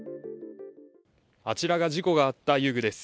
あちらが事故があった遊具です。